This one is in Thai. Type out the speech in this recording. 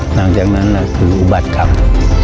หลังจากนั้นคืออุบัติขับ